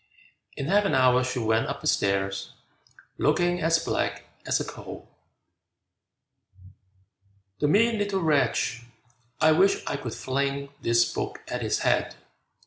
In half an hour she went up the stair, Looking as black as a coal! "The mean little wretch, I wish I could fling This book at his head!"